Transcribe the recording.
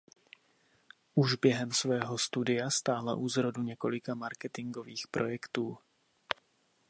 Už během svého studia stála u zrodu několika marketingových projektů.